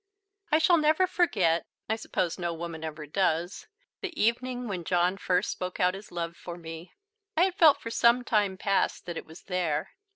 I shall never forget I suppose no woman ever does the evening when John first spoke out his love for me. I had felt for some time past that it was there.